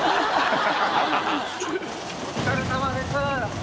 お疲れさまです。